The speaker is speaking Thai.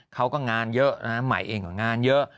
เขาก็งานเยอะนะใหม่เองก็งานเยอะ